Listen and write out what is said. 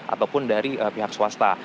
ataupun dari pihak swasta